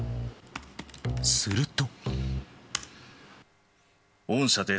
すると。